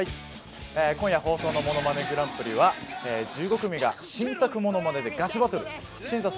今夜放送の『ものまねグランプリ』は１５組が新作ものまねでガチバトルです。